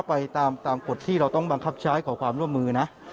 ไปตามกฎที่เราต้องบังคับใช้ขอความร่วมมือนะ